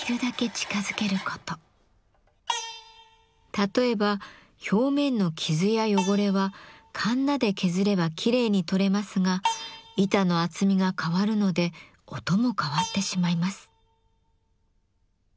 例えば表面の傷や汚れはかんなで削ればきれいに取れますが板の厚みが変わるので音も変わってしまいます。